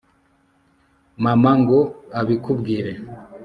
mama ngo abikubwire